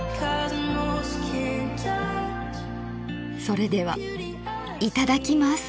それではいただきます！